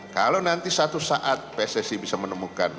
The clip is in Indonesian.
kalau nanti satu saat pssi bisa menemukan